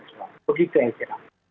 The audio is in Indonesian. begitu yang kita lakukan